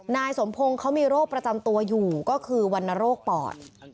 นายสมพงศ์เขามีโรคประจำตัวอยู่ก็คือวรรณโรคปอด